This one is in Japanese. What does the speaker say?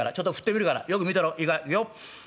いくよ。